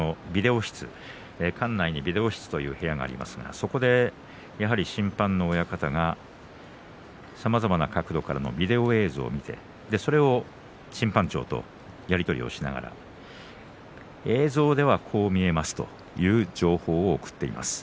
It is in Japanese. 館内にビデオ室がありますがそこで審判の親方がさまざまな角度からのビデオ映像を見てそれを審判長とやり取りしながら映像はこう見えますという情報を送っています。